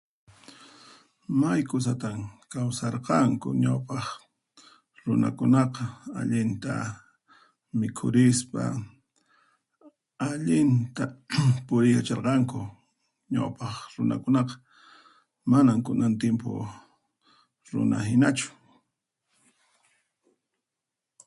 May kusatan kawsarqanku ñawpaq runakunaqa, allinta mikhurispa, allinta qum puriykacharqanku ñawpaq runakunaqa, manan kunan timpu runakunahinachu.